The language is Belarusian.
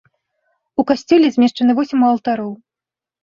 У касцёле змешчаны восем алтароў.